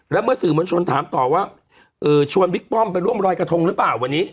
แล้วเมื่อสื่อมวลชนถามต่อว่าชวนบิ๊กป้อมไปร่วมรอยกระทงหรือเปล่าวันนี้